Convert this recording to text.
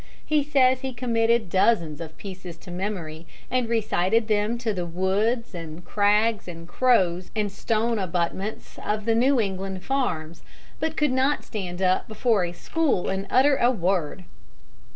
He says he committed dozens of pieces to memory and recited them to the woods and crags and cows and stone abutments of the New England farms, but could not stand up before a school and utter a word.